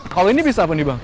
kalau ini bisa apa nih bang